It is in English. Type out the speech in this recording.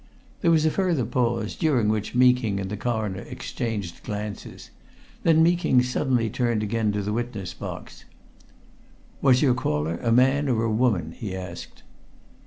There was a further pause, during which Meeking and the Coroner exchanged glances. Then Meeking suddenly turned again to the witness box. "Was your caller a man or a woman?" he asked.